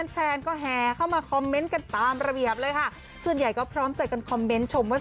แฟนก็แห่เข้ามาคอมเมนต์กันตามระเบียบเลยค่ะส่วนใหญ่ก็พร้อมใจกันคอมเมนต์ชมว่า